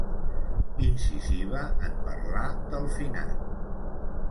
Incisiva en parlar del finat.